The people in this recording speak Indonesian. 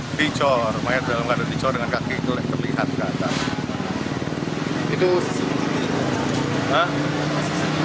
hai dicor mayat dalam keadaan dicor dengan kaki kelihatan itu